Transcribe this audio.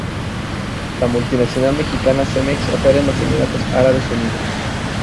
La multinacional mexicana Cemex opera en los Emiratos Árabes Unidos.